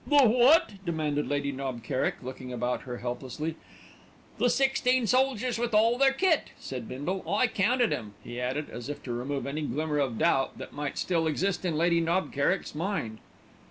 "The what?" demanded Lady Knob Kerrick looking about her helplessly. "The sixteen soldiers with all their kit," said Bindle. "I counted 'em," he added, as if to remove any glimmer of doubt that might still exist in Lady Knob Kerrick's mind.